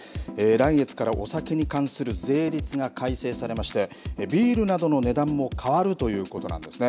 来月からお酒に関する税率が改正されまして、ビールなどの値段も変わるということなんですね。